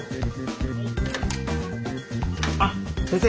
あっ先生